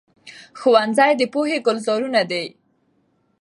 ښوونځي د پوهې ګلزارونه دي.